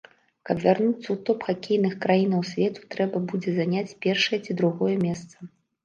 Каб вярнуцца ў топ хакейных краінаў свету, трэба будзе заняць першае ці другое месца.